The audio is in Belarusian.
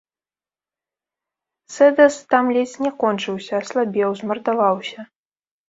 Сэдас там ледзь не кончыўся, аслабеў, змардаваўся.